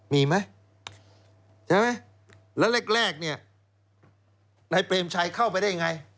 มีไหมใช่ไหมแล้วแรกเนี่ยนายเปรมชัยเข้าไปได้ไง